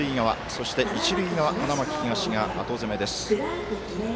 そして、一塁側花巻東が後攻めです。